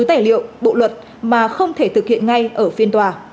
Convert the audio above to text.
tài liệu bộ luật mà không thể thực hiện ngay ở phiên tòa